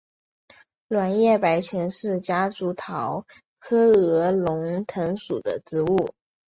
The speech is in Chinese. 卵叶白前是夹竹桃科鹅绒藤属的植物。